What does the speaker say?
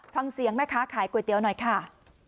ฟังเสียงแม่ค้าขายก๋วยเตี๋ยวหน่อยค่ะ